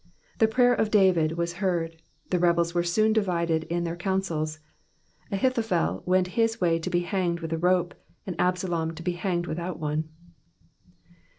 The prayer of David was heard, the rebels were soon divided in their councils ; Ahithophel went his way to be hanged with a rope, and Absalom to be hanged without one.